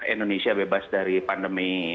indonesia bebas dari pandemi